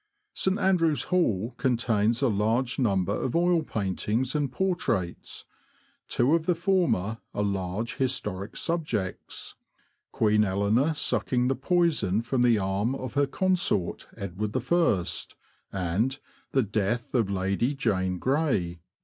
St. Andrew's Hall contains a large number of oil paintings and portraits. Two of the former are large historic subjects :" Queen Eleanor Sucking the Poison from the Arm of her Consort, Edward I.'' and '' The Death of Lady Jane Grey."